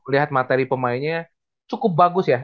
lihat materi pemainnya cukup bagus ya